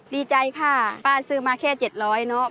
ดีใจค่ะป้าซื้อมาแค่๗๐๐เนอะ